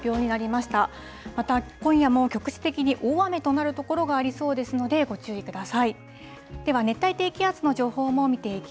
また今夜も局地的に大雨となる所がありそうですので、ご注意ください。